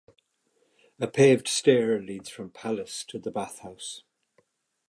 A paved stair leads from palace to the bath house.